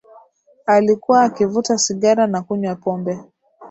Alikua akivuta sigara na kunywa pombe